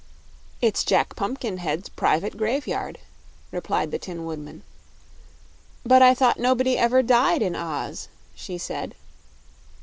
"It's Jack Pumpkinhead's private graveyard," replied the Tin Woodman. "But I thought nobody ever died in Oz," she said.